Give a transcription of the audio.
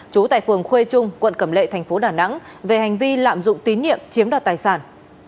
trú tại phường khuê trung quận cẩm lệ thành phố đà nẵng về hành vi lạm dụng tín nhiệm chiếm đoạt tài sản